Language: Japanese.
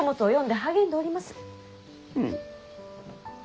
うん。